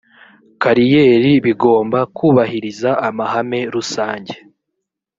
kariyeri bigomba kubahiriza amahame rusange